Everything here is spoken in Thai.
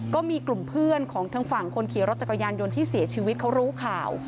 ก็มีกลุ่มเพื่อนของทางฝั่งคนขี่รถจักรยานยนต์ที่เสียชีวิตเขารู้ข่าว